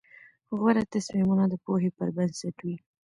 غوره تصمیمونه د پوهې پر بنسټ وي.